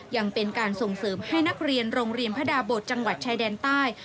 ยังเป็นการส่งเสริมให้นักเรียนโรงเรียนพระดาบทจังหวัดชายแดนใต้